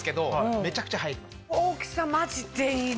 大きさマジでいいな。